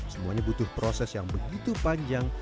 semuanya butuh proses yang begitu panjang